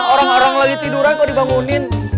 orang orang lagi tiduran kok dibangunin